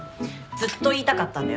ずっと言いたかったんだよね。